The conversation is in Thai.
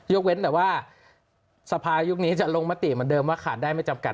เว้นแต่ว่าสภายุคนี้จะลงมติเหมือนเดิมว่าขาดได้ไม่จำกัด